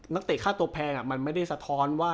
เตะค่าตัวแพงมันไม่ได้สะท้อนว่า